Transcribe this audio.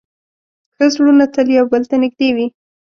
ښه زړونه تل یو بل ته نږدې وي.